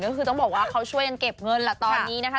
ก็คือต้องบอกว่าเขาช่วยกันเก็บเงินแหละตอนนี้นะคะ